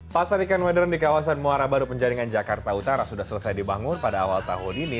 pasar ikan modern di kawasan muara baru penjaringan jakarta utara sudah selesai dibangun pada awal tahun ini